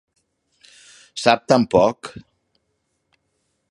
Sap tan poc!